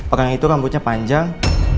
orang itu rambutnya panjang